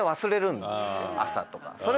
朝とか。